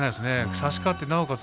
差し勝ってなおかつ